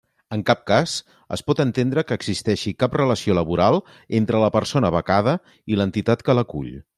En cap cas, es pot entendre que existeixi cap relació laboral entre la persona becada i l'entitat que l'acull.